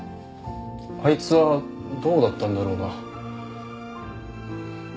あいつはどうだったんだろうな？